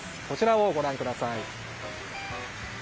こちらをご覧ください。